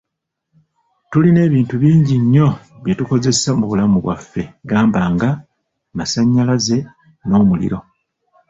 Tulina ebintu bingi nnyo bye tukozesa mu bulamu bwaffe gamba nga; masannyalaze n’omuliro.